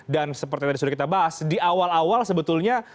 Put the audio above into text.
dan seperti tadi sudah kita bahas di awal awal sebetulnya